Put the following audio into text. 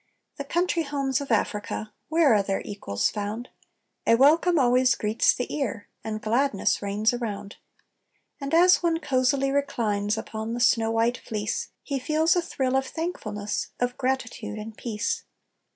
The country homes of Africa, where are their equals found? A welcome always greets the ear, and gladness reigns around; And as one cosily reclines upon the snow white fleece, He feels a thrill of thankfulness, of gratitude and peace.